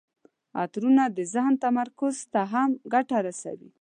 عطرونه د ذهن تمرکز ته هم ګټه رسوي.